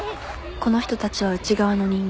この人たちは内側の人間